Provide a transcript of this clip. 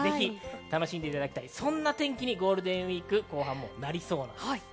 楽しんでいただきたい、そんな天気にゴールデンウイーク後半もなりそうです。